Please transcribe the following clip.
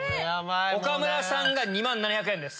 岡村さんが２万７００円です。